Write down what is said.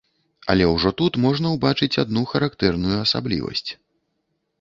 Але ўжо тут можна ўбачыць адну характэрную асаблівасць.